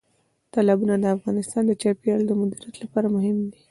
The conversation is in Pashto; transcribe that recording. تالابونه د افغانستان د چاپیریال د مدیریت لپاره مهم دي.